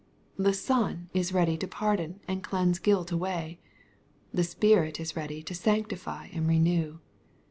The Son is ready to pardon and cleanse guilt away. The Spirit is ready to sanctify and renew.